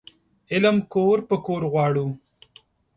علم کور په کور غواړو